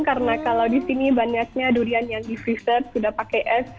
karena kalau di sini banyaknya durian yang di friset sudah pakai es